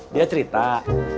dia cerita kita pusing